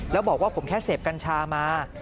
แล้วบอกว่าผมแค่เสพกัญชามา